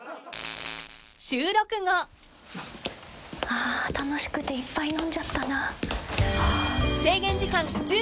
ハァ楽しくていっぱい飲んじゃったな。